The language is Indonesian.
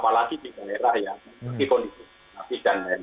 apalagi di daerah yang memiliki kondisi dan lain lain